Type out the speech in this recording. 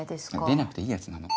出なくていいやつなの。